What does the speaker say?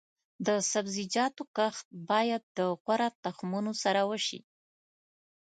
د سبزیجاتو کښت باید د غوره تخمونو سره وشي.